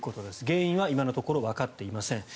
原因は今のところわかっていません。